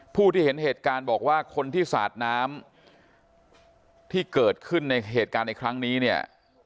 ผู้ที่เห็นเหตุการณ์บอกว่าคนที่สาดน้ำที่เกิดขึ้นในเหตุการณ์ในครั้งนี้เนี่ย